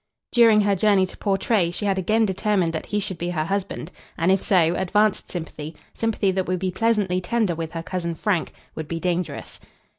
During her journey to Portray she had again determined that he should be her husband; and, if so, advanced sympathy, sympathy that would be pleasantly tender with her cousin Frank, would be dangerous.